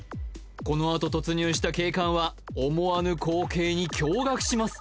このあと突入した警官は思わぬ光景に驚がくします